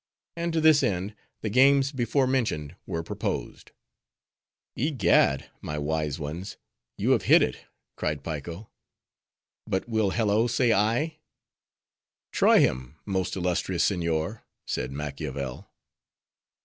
And to this end, the games before mentioned were proposed. "Egad! my wise ones, you have hit it," cried Piko; "but will Hello say ay?" "Try him, most illustrious seignior," said Machiavel.